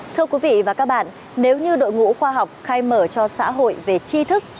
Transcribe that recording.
thưa quý vị và các bạn nếu như đội ngũ khoa học khai mở cho xã hội về chi thức